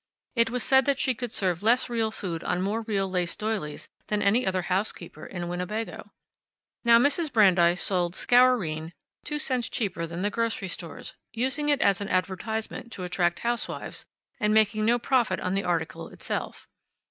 It was said that she could serve less real food on more real lace doilies than any other housekeeper in Winnebago. Now, Mrs. Brandeis sold Scourine two cents cheaper than the grocery stores, using it as an advertisement to attract housewives, and making no profit on the article itself.